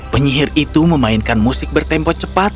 penyihir itu memainkan musik bertempo cepat